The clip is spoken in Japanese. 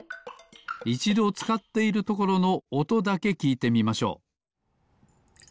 いちどつかっているところのおとだけきいてみましょう。